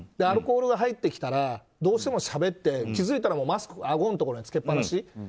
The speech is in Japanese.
アルコールが入ってきたらどうしてもしゃべって気づいたらもう、マスクはあごのところに着けっぱなし。